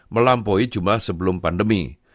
melampaui jumat sebelum pandemi